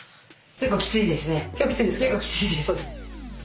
結構きついです。